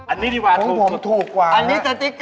อันนี้ถูกที่สุด